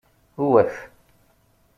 Ewwet!